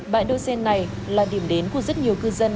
bãi đỗ xe này là điểm đến của rất nhiều cư dân